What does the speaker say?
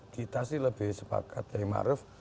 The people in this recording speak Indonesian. kita sih lebih sepakat dari ma'ruf